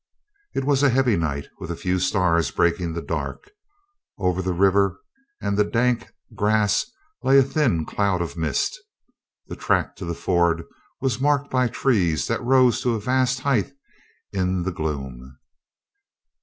It was a heavy night, with few stars breaking the dark. Over the river and the dank grass lay a thin cloud of mist. The track to the ford was marked by trees that rose to a vast height in the vag^e gloom.